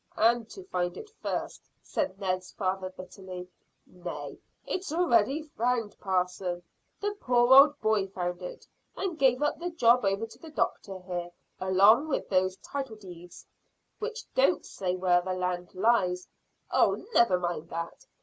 "To find it first," said Ned's father bitterly. "Nay, it's already found, parson. The poor old boy found it, and gave the job over to the doctor here, along with those title deeds." "Which don't say where the land lies." "Oh, never mind that.